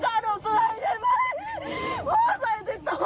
พ่อเสร็จติดตรงมาทุกวัน